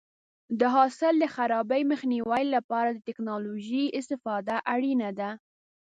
د حاصل د خرابي مخنیوي لپاره د ټکنالوژۍ استفاده اړینه ده.